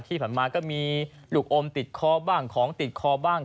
ที่ผ่านมาก็มีลูกอมติดคอบ้างของติดคอบ้าง